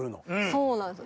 そうなんです